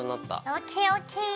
ＯＫＯＫ。